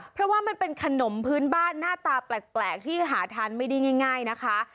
เพราะว่ามันเป็นขนมพื้นบ้านหน้าตาแปลกที่หาทานไม่ได้ง่ายนะคะ